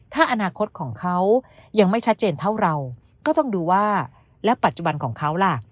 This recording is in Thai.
ถ้าอนาคตของเขายังไม่ชัดเจนเท่าเราก็ต้องดูว่าและปัจจุบันของเขาล่ะ